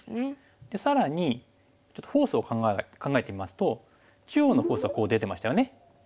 更にちょっとフォースを考えてみますと中央のフォースはこう出てましたよね。